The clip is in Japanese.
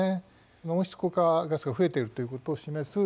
温室効果ガスが増えているということを示す